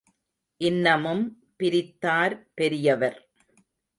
இன்னமும் பிரித்தார் பெரியவர்.